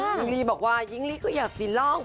หญิงลีบอกว่ายิ้งลี่ก็อยากสิล่อง